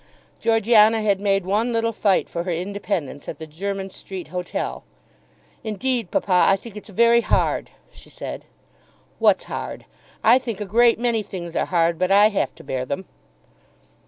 Georgiana had made one little fight for her independence at the Jermyn Street Hotel. "Indeed, papa, I think it's very hard," she said. "What's hard? I think a great many things are hard; but I have to bear them."